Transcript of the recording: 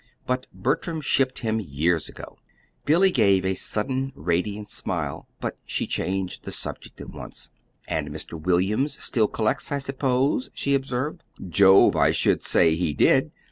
But Bertram shipped him years ago." Billy gave a sudden radiant smile but she changed the subject at once. "And Mr. William still collects, I suppose," she observed. "Jove! I should say he did!